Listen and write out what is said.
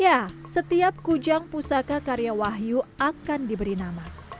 ya setiap kujang pusaka karya wahyu akan diberi nama